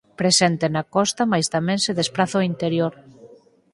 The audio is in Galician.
Presente na costa mais tamén se despraza ó interior.